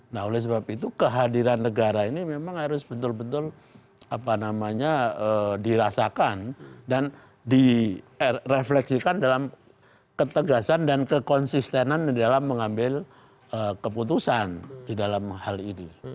nah oleh sebab itu kehadiran negara ini memang harus betul betul dirasakan dan direfleksikan dalam ketegasan dan kekonsistenan di dalam mengambil keputusan di dalam hal ini